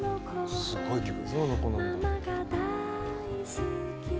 すごい。